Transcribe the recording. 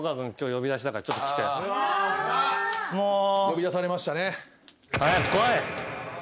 呼び出されましたね。